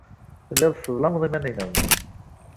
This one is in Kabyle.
Tellid tesseḍlamed iman-nnem.